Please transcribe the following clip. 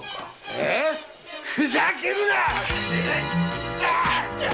ええ⁉ふざけるな！